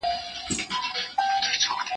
بلا توره دي پسې ستا په هنر سي